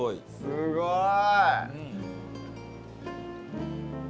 すごい！